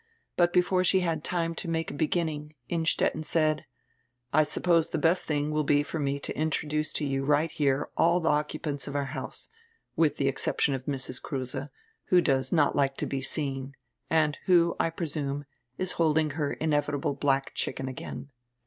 But before she had time to make a beginning, Innstetten said: "I suppose die best tiling will be for me to intro duce to you right here all die occupants of our house, widi die exception of Mrs. Kruse, who does not like to be seen, and who, I presume, is holding her inevitable black chicken again."